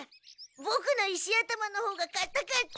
ボクの石頭のほうがかたかった。